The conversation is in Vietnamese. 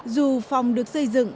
dù phòng được xây dựng